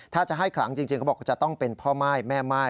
ถ้าจะให้ขลังจริงเขาบอกจะต้องเป็นพ่อม่ายแม่ม่าย